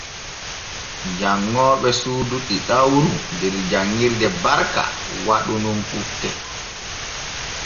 Janŋooɓe suudu ɗiɗawru der janŋirde Barka waɗu nun ukke.